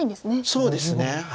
そうですね。